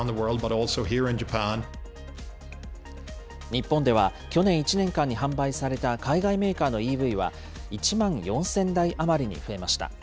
日本では、去年１年間に販売された海外メーカーのＥＶは１万４０００台余りに増えました。